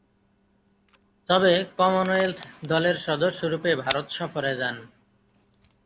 তবে, কমনওয়েলথ দলের সদস্যরূপে ভারত সফরে যান।